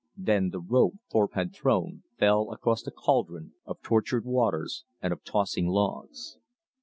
Then the rope Thorpe had thrown fell across a caldron of tortured waters and of tossing logs.